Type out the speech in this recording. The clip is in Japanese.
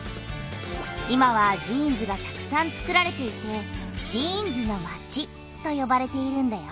今はジーンズがたくさんつくられていて「ジーンズのまち」とよばれているんだよ。